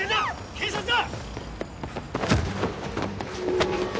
警察だ！